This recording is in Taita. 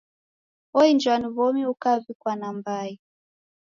Oinjwa ni w'omi ukaw'ikwa nambai.